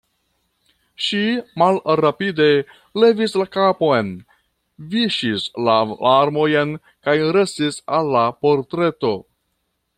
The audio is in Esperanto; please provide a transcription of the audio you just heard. Ŝi malrapide levis la kapon, viŝis la larmojn kaj gestis al la portreto.